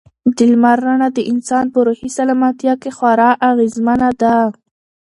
د لمر رڼا د انسان په روحي سلامتیا کې خورا اغېزمنه ده.